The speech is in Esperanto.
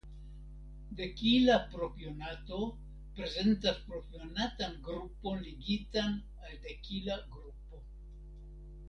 Dekila propionato prezentas propionatan grupon ligitan al dekila grupo.